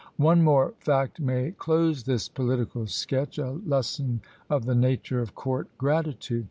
One more fact may close this political sketch; a lesson of the nature of court gratitude!